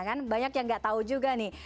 banyak yang enggak tahu juga nih